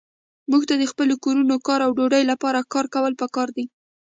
موږ ته د خپلو کورونو، کار او ډوډۍ لپاره کار کول پکار دي.